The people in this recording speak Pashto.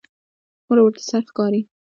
څومره ورته سره ښکاري